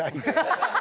ハハハハ！